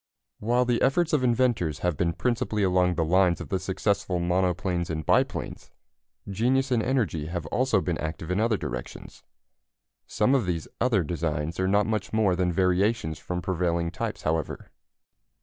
While the efforts of inventors have been principally along the lines of the successful monoplanes and biplanes, genius and energy have also been active in other directions. Some of these other designs are not much more than variations from prevailing types, however.